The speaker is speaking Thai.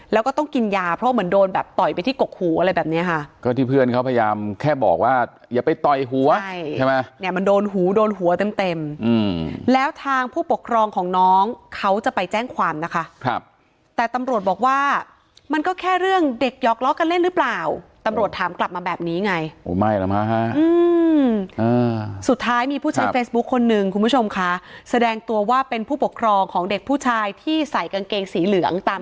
แล้วก็ต้องกินยาเพราะเหมือนโดนแบบต่อยไปที่กกหูอะไรแบบเนี้ยค่ะก็ที่เพื่อนเขาพยายามแค่บอกว่าอย่าไปต่อยหัวใช่ไหมเนี้ยมันโดนหูโดนหัวเต็มเต็มอืมแล้วทางผู้ปกครองของน้องเขาจะไปแจ้งความนะคะครับแต่ตำรวจบอกว่ามันก็แค่เรื่องเด็กยอกล้อกันเล่นหรือเปล่าตำรวจถามกลับมาแบบนี้ไงโอ้ไม่แล้วมาฮะอืม